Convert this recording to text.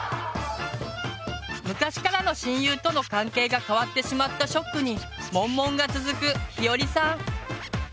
昔からの親友との関係が変わってしまったショックにモンモンが続くひよりさん。